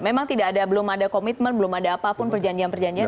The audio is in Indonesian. memang belum ada komitmen belum ada apapun perjanjian perjanjian